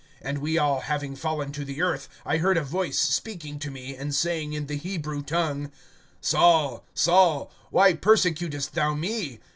(14)And we all having fallen to the earth, I heard a voice speaking to me, and saying in the Hebrew tongue: Saul, Saul, why persecutest thou me?